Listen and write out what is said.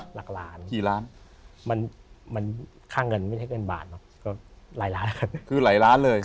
หลักล้านมันค่าเงินไม่ได้เกินบาทรายล้านคือรายล้านเลย